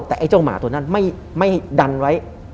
แต่ไอ้เจ้าหมาตัวนั้นไม่ดันไว้